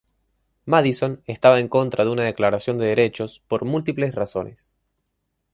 Madison estaba en contra de una declaración de derechos por múltiples razones.